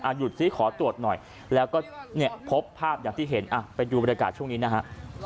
หยุดซิขอตรวจหน่อยแล้วก็เนี่ยพบภาพอย่างที่เห็นอ่ะไปดูบรรยากาศช่วงนี้นะฮะ